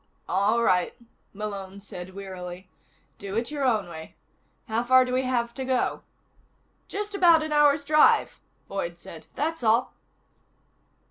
"All right," Malone said wearily. "Do it your own way. How far do we have to go?" "Just about an hour's drive," Boyd said. "That's all."